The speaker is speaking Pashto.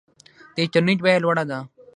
د انټرنیټ بیه لوړه ده؟